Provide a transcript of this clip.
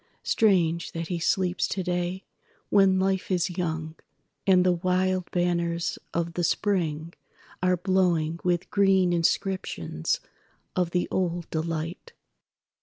Strange that he sleeps today when Life is young, And the wild banners of the Spring are blowingWith green inscriptions of the old delight."